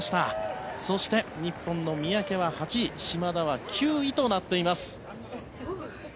そして日本の三宅は８位島田は９位となっています。